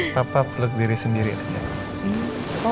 papa peluk diri sendiri aja